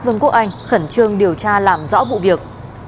vương quốc anh khẩn trương điều tra làm rõ vụ việc